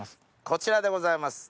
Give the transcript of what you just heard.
こちらでございます。